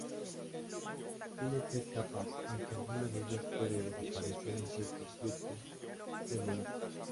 Tiene tres capas, aunque alguna de ellas puede desaparecer en ciertos grupos de moluscos.